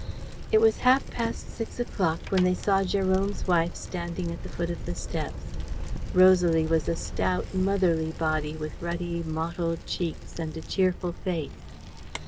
It was half past six o'clock when they saw Jérôme's wife standing at the foot of the steps. Rosalie was a stout, motherly body with ruddy, mottled cheeks and a cheerful face.